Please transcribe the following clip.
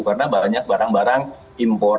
karena banyak barang barang impor